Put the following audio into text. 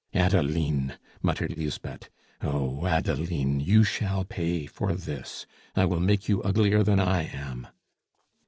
"Adeline!" muttered Lisbeth. "Oh, Adeline, you shall pay for this! I will make you uglier than I am."